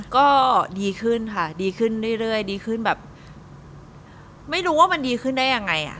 ก็ดีขึ้นค่ะดีขึ้นเรื่อยดีขึ้นแบบไม่รู้ว่ามันดีขึ้นได้ยังไงอ่ะ